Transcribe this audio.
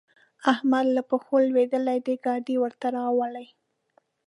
احمد له پښو لوېدلی دی؛ ګاډی ورته راولي.